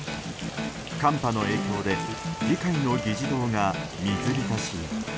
寒波の影響で議会の議事堂が水浸しに。